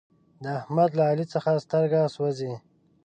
د احمد له علي څخه سترګه سوزي.